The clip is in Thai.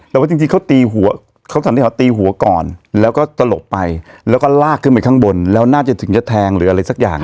แต่ว่าจริงเขาตีหัวก่อนแล้วก็ตะลุปไปแล้วก็ลากขึ้นไปข้างบนแล้วน่าจะถึงจะแทงหรืออะไรสักอย่างเลย